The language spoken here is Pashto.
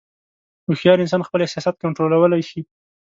هوښیار انسان خپل احساسات کنټرولولی شي.